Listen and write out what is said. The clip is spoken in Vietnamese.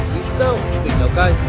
tại sao tỉnh lào cai